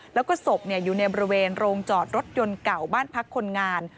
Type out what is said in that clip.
แล้วก็ศพอยู่ในบริเวณโรงจอดรถยนต์เก่าบ้านพักคนงาน